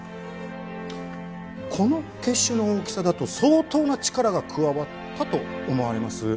この血腫の大きさだと相当な力が加わったと思われます。